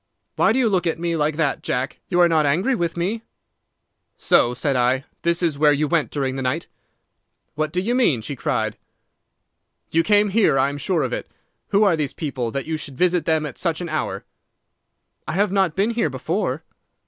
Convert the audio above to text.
Why do you look at me like that, Jack? You are not angry with me?' "'So,' said I, 'this is where you went during the night.' "'What do you mean?' she cried. "'You came here. I am sure of it. Who are these people, that you should visit them at such an hour?' "'I have not been here before.